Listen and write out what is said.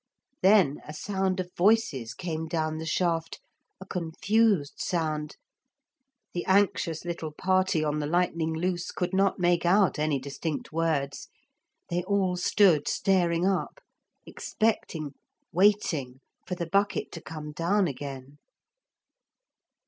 Then a sound of voices came down the shaft, a confused sound; the anxious little party on the Lightning Loose could not make out any distinct words. They all stood staring up, expecting, waiting for the bucket to come down again.